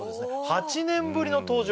８年ぶりの登場